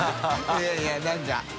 いやいや何か。